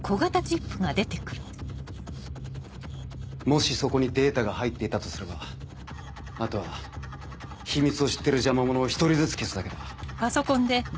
もしそこにデータが入っていたとすればあとは秘密を知ってる邪魔者を一人ずつ消すだけだ。